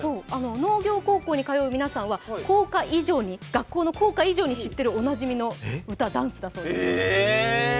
農業高校に通う皆さんは学校の校歌以上に知っているおなじみの歌、ダンスだそうです。